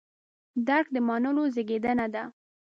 درک د منلو زېږنده ده.